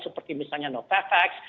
seperti misalnya novavax